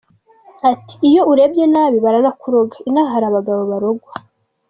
Ati “Iyo urebye nabi baranakuroga inaha hari abagabo barogwa.